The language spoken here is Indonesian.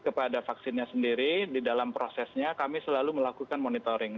kepada vaksinnya sendiri di dalam prosesnya kami selalu melakukan monitoring